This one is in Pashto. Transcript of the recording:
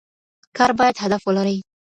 کار باید هدف ولري.